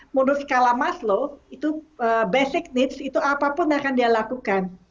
menurut skala maslow itu basic needs itu apapun yang akan dilakukan